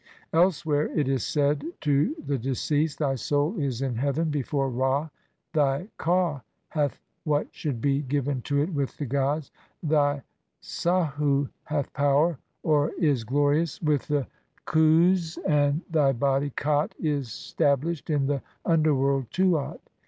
290) ; elsewhere 2 it is said to the deceased, "Thy soul is "in heaven before Ra, thy ka hath what should be "given to it with the gods, thy sahu hath power (or "is glorious) with the khus, and thy body (khat) is "stablished in the underworld (tuat)."